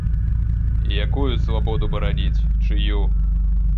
Якую свабоду бараніць, чыю?